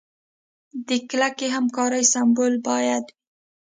د کلکې همکارۍ سمبول باید وي.